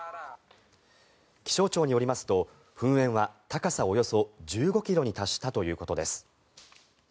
気象庁によりますと噴煙は高さおよそ１５ｋｍに達したということです。